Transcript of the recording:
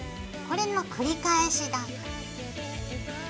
これの繰り返しだ。